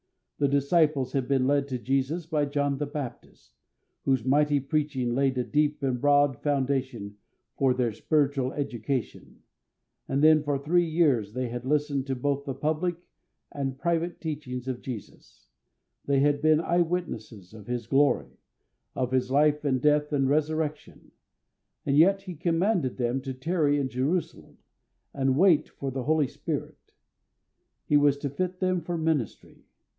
The disciples had been led to Jesus by John the Baptist, whose mighty preaching laid a deep and broad foundation for their spiritual education, and then for three years they had listened to both the public and private teachings of Jesus; they had been "eye witnesses of His glory," of His life and death and resurrection, and yet He commanded them to tarry in Jerusalem, and wait for the Holy Spirit. He was to fit them for their ministry.